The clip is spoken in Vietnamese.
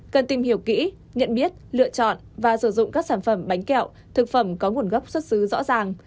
cần tìm hiểu kỹ nhận biết lựa chọn và sử dụng các sản phẩm bánh kẹo thực phẩm có nguồn gốc xuất xứ rõ ràng